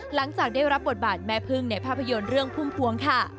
หลังจากได้รับบทบาทแม่พึ่งในภาพยนตร์เรื่องพุ่มพวงค่ะ